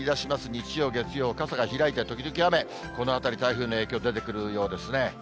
日曜、月曜、傘が開いて時々雨、このあたり、台風の影響出てくるようですね。